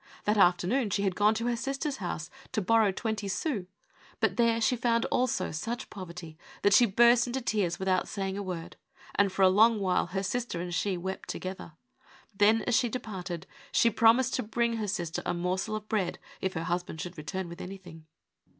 That afternoon she had gone to her sister's house to borrow twenty sous, but she found there also such poverty that she burst into tears without saying a word, and for a long while her sister and she wept together. Then, as she departed, she promised to bring her sister a morsel of bread if her husband should return with anything.